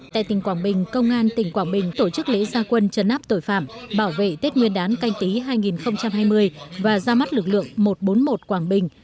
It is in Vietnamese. tại tỉnh quảng bình công an tỉnh quảng bình tổ chức lễ gia quân trấn áp tội phạm bảo vệ tết nguyên đán canh tí hai nghìn hai mươi và ra mắt lực lượng một trăm bốn mươi một quảng bình